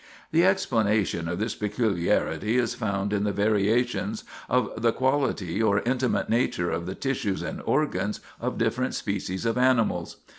The explanation of this peculiarity is found in the variations of the quality or intimate nature of the tissues and organs of different species of animals.